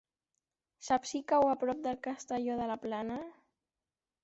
Saps si cau a prop de Castelló de la Plana?